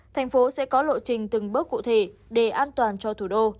thành phố sẽ có lộ trình từng bước cụ thể để an toàn cho thủ đô